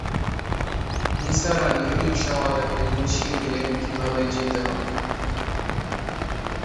নিসার আলি রিকশাওয়ালাকে বুঝিয়ে দিলেন কীভাবে যেতে হবে।